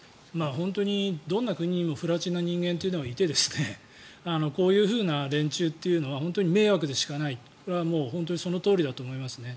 本当にどんな国にも不埒な人間というのはいてこういう連中は迷惑でしかない本当にそのとおりだと思いますね。